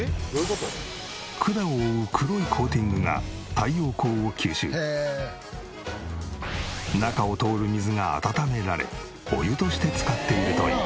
管を覆う黒いコーティングが中を通る水が温められお湯として使っているという。